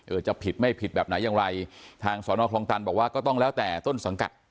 จะผิดไม่ผิดแบบไหนอย่างไรทางสอนอคลองตันบอกว่าก็ต้องแล้วแต่ต้นสังกัด